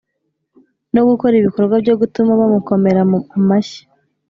no gukora ibikorwa byo gutuma bamukomera amashyi